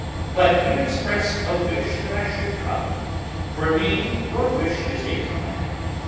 But you expressed a wish that I should come. For me, your wish is a command.